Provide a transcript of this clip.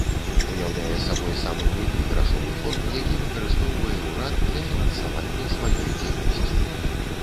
Уяўляе сабой самы буйны грашовы фонд, які выкарыстоўвае ўрад для фінансавання сваёй дзейнасці.